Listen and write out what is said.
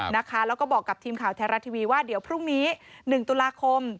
แล้วก็บอกกับทีมข่าวไทยรัฐทีวีว่าเดี๋ยวพรุ่งนี้๑ตุลาคม